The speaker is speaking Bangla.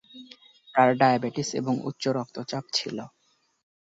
তার ডায়াবেটিস এবং উচ্চ রক্তচাপ ছিল।